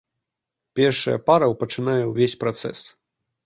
Першая пара пачынае ўвесь працэс.